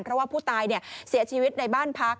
เพราะว่าผู้ตายเสียชีวิตในบ้านพัก